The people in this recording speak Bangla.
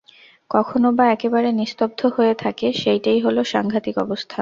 কখনো-বা একেবারে নিস্তব্ধ হয়ে থাকে, সেইটেই হল সাংঘাতিক অবস্থা।